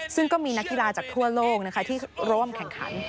ซึ่งก็มีนักกีฬาจากทั่วโลกนะคะที่ร่วมแข่งขัน